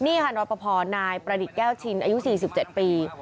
นี่ค่ะรอปภนายประดิษฐ์แก้วชินอายุ๔๗ปี